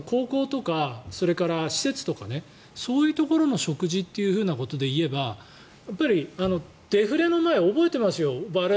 一方で高校とか施設とかそういうところの食事というふうなことで言えばやっぱりデフレの前覚えてますよ